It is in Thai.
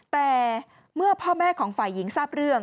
แต่เมื่อพ่อแม่ของฝ่ายหญิงทราบเรื่อง